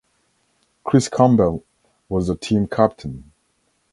Chris Campbell was the team captain.